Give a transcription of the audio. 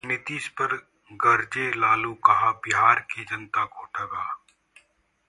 नीतीश पर गरजे लालू, कहा- बिहार की जनता को ठगा